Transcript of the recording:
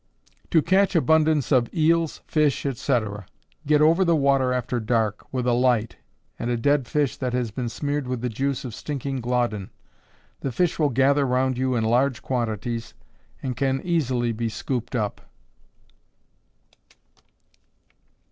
To Catch Abundance of Eels, Fish, &c. Get over the water after dark, with a light and a dead fish that has been smeared with the juice of stinking glawdin the fish will gather round you in large quantities, and can easily be scooped up.